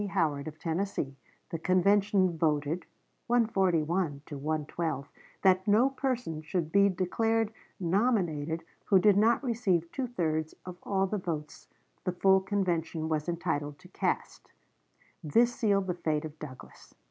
Howard, of Tennessee, the convention voted (141 to 112) that no person should be declared nominated who did not receive two thirds of all the votes the full convention was entitled to cast. This sealed the fate of Douglas.